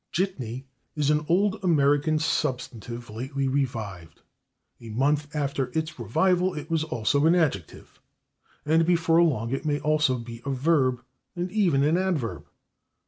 /Jitney/ is an old American substantive lately [Pg165] revived; a month after its revival it was also an adjective, and before long it may also be a verb and even an adverb.